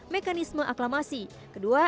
mekanisme aklamasi kedua